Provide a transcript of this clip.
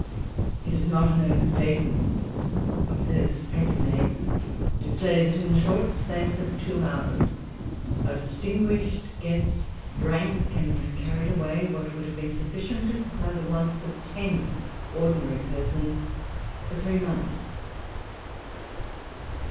"It is not an over statement," observes Freycinet, "to say that in the short space of two hours our distinguished guests drank and carried away what would have been sufficient to supply the wants of ten ordinary persons for three months."